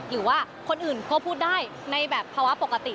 หรือว่าคนอื่นก็พูดได้ในแบบภาวะปกติ